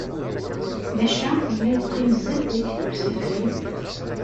Maca yella yeqqim sdat-k deg usafag?